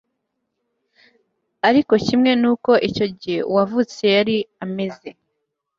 ariko kimwe n uko icyo gihe uwavutse yari ameze